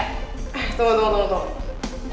tunggu tunggu tunggu